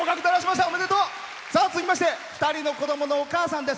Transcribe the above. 続きまして２人の子どものお母さんです。